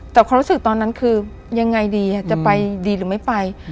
แต่ความรู้สึกตอนนั้นคือยังไงดีจะไปดีหรือไม่ไป